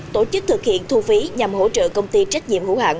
tổ chức thực hiện thu phí nhằm hỗ trợ công ty trách nhiệm hữu hạng